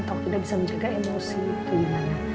takut tidak bisa menjaga emosi itu gimana